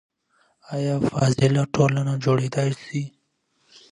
آیا فاضله ټولنه جوړیدای سي؟